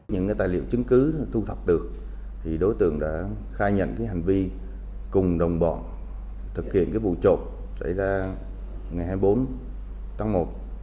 những tài liệu chứng cứ thu thập được đối tượng đã khai nhận hành vi cùng đồng bọn thực hiện vụ trộn ngày hai mươi bốn tháng một năm hai nghìn hai mươi ba